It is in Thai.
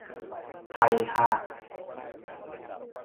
ไทยฮา